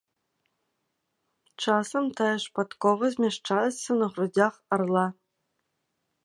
Часам тая ж падкова змяшчаецца на грудзях арла.